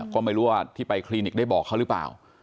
ก็ไม่รู้ว่าที่ไปคลินิกได้บอกเขาหรือเปล่า